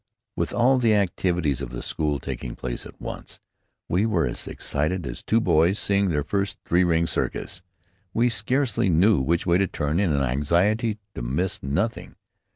With all the activities of the school taking place at once, we were as excited as two boys seeing their first three ring circus. We scarcely knew which way to turn in our anxiety to miss nothing.